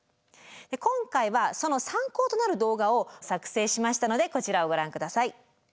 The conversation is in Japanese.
今回はその参考となる動画を作成しましたのでこちらをご覧ください。